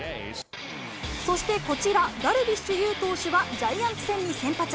そしてこちら、ダルビッシュ有投手はジャイアンツ戦に先発。